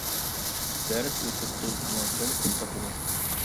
دەرس ئۆتۈپ بولسىمۇ خېلى پۇل تاپىدۇ.